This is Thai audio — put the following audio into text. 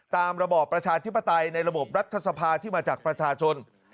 ระบอบประชาธิปไตยในระบบรัฐสภาที่มาจากประชาชน